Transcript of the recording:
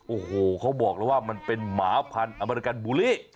โอ้โหเขาบอกแล้วว่ามันเป็นหมาพันธุ์อเมริกันบูลลี่